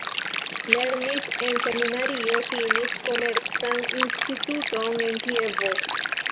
Lernis en seminario, finis Komercan Instituton en Kievo.